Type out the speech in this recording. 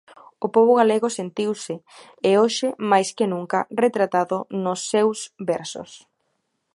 O pobo galego sentiuse, e hoxe máis que nunca, retratado nos seus versos.